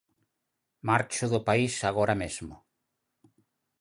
Marcho do país agora mesmo.